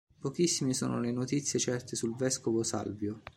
Pochissime sono le notizie certe sul vescovo Salvio.